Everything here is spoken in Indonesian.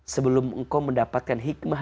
sebelum engkau mendapatkan hikmah